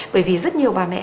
bởi vì rất nhiều bà mẹ